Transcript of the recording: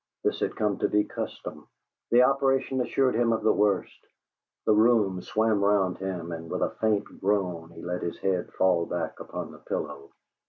This had come to be custom. The operation assured him of the worst; the room swam round him, and, with a faint groan, he let his head fall back upon the pillow.